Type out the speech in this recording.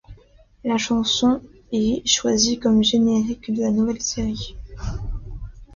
La chanson ' est choisie comme générique de la nouvelle série '.